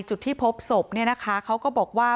จุดที่พบศพเนี่ยนะคะเขาก็บอกว่า